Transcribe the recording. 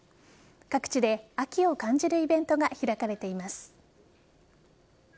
各地で秋を感じるイベントが開かれています。